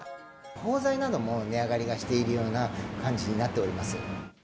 包材なども値上がりがしているような感じになっております。